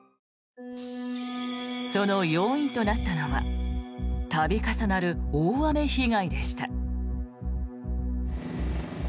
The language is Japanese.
その要因となったのは度重なる大雨被害でした。